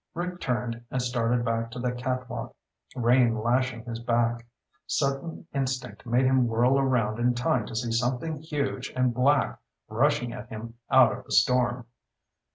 Rick turned and started back to the catwalk, rain lashing his back. Sudden instinct made him whirl around in time to see something huge and black rushing at him out of the storm.